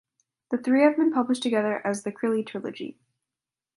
The three have been published together as "The Crilly Trilogy".